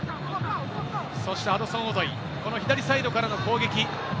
そしてハドソン・オドイ、左サイドからの攻撃。